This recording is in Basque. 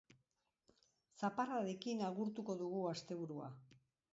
Zaparradekin agurtuko dugu asteburua.